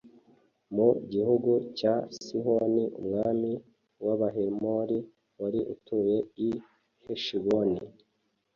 mu gihugu cya sihoni umwami w’abahemori wari utuye i heshiboni.